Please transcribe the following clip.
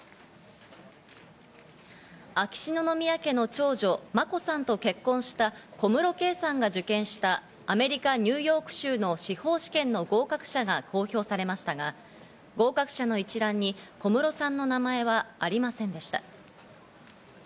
秋篠宮家の長女・眞子さんと結婚した小室圭さんが受験したアメリカ・ニューヨーク州の司法試験の合格者が公表されましたが合格者の一覧に小室さんの名前はありませんでした。